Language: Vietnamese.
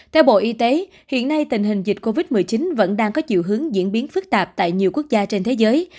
theo bộ y tế hiện nay tình hình dịch covid một mươi chín vẫn đang có chiều hướng diễn biến phức tạp tại nhiều quốc gia trên thế giới